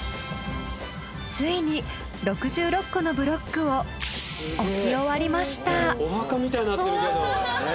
ついに６６個のブロックを置き終わりました。